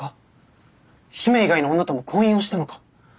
姫以外の女とも婚姻をしたのか？